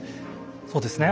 そうですね。